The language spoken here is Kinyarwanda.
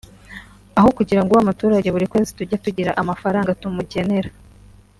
aho kugira ngo wa muturage buri kwezi tujye tugira amafaranga tumugenera